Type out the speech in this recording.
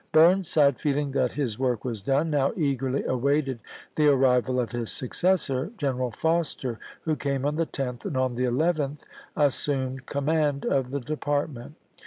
ber. Bm'uside, feeling that his work was done, now eagerly awaited the arrival of his successor. General Foster, who came on the 10th, and on the 11th assumed command of the Department.